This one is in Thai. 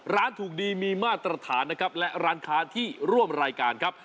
ร้านถูกดีมีมาตรฐานนะครับและร้านค้าที่ร่วมรายการครับ